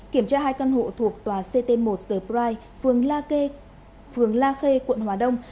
kiểm tra hai căn hộ thuộc tòa ct một the pride phường la khê quận hòa đông